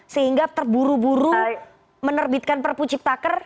sehingga terburu buru menerbitkan perpu ciptaker